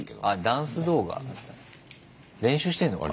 ダンス動画練習してんのか。